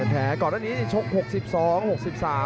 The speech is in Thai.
แถ่ก่อนอันนี้โชค๖๒๖๓